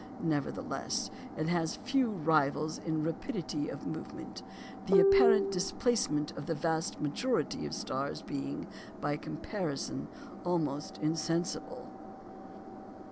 Nevertheless, it has few rivals in rapidity of movement, the apparent displacement of the vast majority of stars being, by comparison, almost insensible.